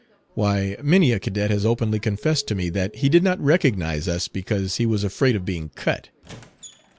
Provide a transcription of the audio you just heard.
Why, many a cadet has openly confessed to me that he did not recognize us because he was afraid of being "cut."